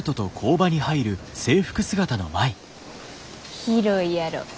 広いやろ？